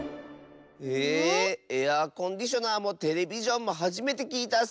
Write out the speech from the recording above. へえエアコンディショナーもテレビジョンもはじめてきいたッス。